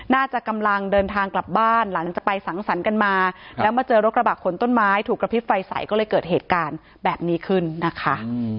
น่าจะกำลังเดินทางกลับบ้านหลังจากไปสังสรรค์กันมาแล้วมาเจอรถกระบะขนต้นไม้ถูกกระพริบไฟใสก็เลยเกิดเหตุการณ์แบบนี้ขึ้นนะคะ